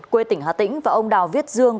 quê tỉnh hà tĩnh và ông đào viết dương